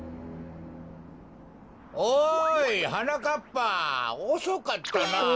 おいはなかっぱおそかったなあ。